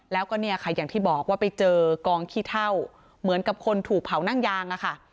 แล้วก็เนี่ยค่ะอย่างที่บอกว่าไปเจอกองขี้เท่าเหมือนกับคนถูกเผานั่งยางอะค่ะ